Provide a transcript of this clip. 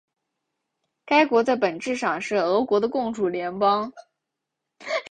该国在本质上是俄国的共主邦联。